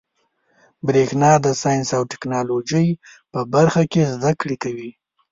برېښنا د ساینس او ټيکنالوجۍ په برخه کي زده کړي کوي.